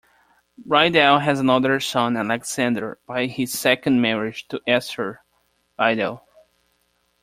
Rydell has another son Alexander, by his second marriage, to Esther Rydell.